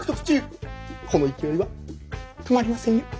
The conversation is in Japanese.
この勢いは止まりませんよ。